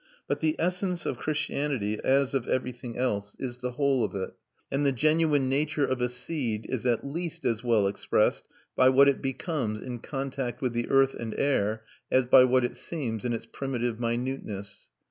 But the essence of Christianity, as of everything else, is the whole of it; and the genuine nature of a seed is at least as well expressed by what it becomes in contact with the earth and air as by what it seems in its primitive minuteness.